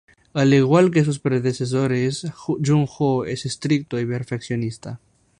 Al igual que sus predecesores, Jung Ho es estricto y perfeccionista.